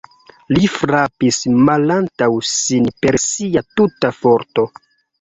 Li frapis malantaŭ sin per sia tuta forto.